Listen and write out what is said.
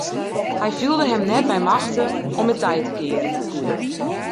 Hy fielde him net by machte om it tij te kearen.